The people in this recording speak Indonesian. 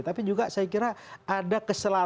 tapi juga saya kira ada kesalahan